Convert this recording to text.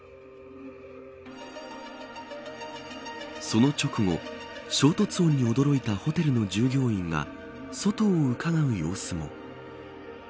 その直後衝突音に驚いたホテルの従業員が外をうかがう様子も。